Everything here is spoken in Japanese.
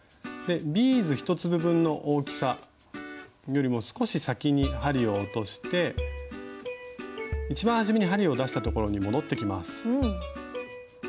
ビーズ１粒分の大きさよりも少し先に針を落として一番はじめに針を出したところに戻ってきます。